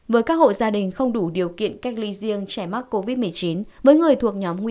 với các hộ gia đình không đủ điều kiện cách ly riêng trẻ mắc covid một mươi chín